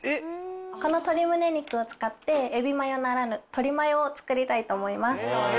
この鶏むね肉を使って、エビマヨならぬとりマヨを作りたいと思います。